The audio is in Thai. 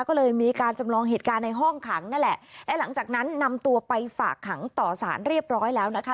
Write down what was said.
ก็เลยมีการจำลองเหตุการณ์ในห้องขังนั่นแหละและหลังจากนั้นนำตัวไปฝากขังต่อสารเรียบร้อยแล้วนะคะ